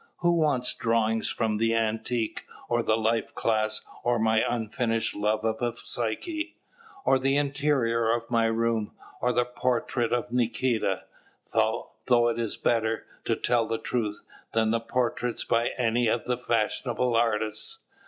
Who wants drawings from the antique, or the life class, or my unfinished love of a Psyche, or the interior of my room, or the portrait of Nikita, though it is better, to tell the truth, than the portraits by any of the fashionable artists?